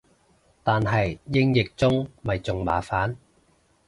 但係英譯中咪仲麻煩